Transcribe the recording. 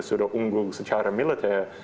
sudah unggul secara militer